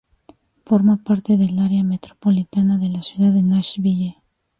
Forma parte del área metropolitana de la ciudad de Nashville.